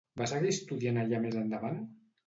Va seguir estudiant allà més endavant?